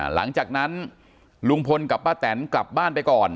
หลังจากนั้นลุงพลกับป้าแตนกลับบ้านไปก่อน